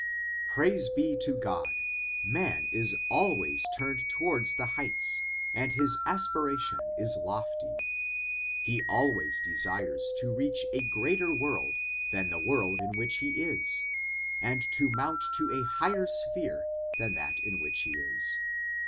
Praise be to God ! man is always turned towards the heights, and his aspiration is lofty ; he always desires to reach a greater world than the world in which he is, and to mount to a higher sphere than that in which he is.